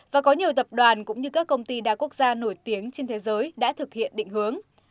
và có nhiều tập đoàn cũng như các công ty đa quốc gia nổi tiếng trên thế giới đã thực hiện định hướng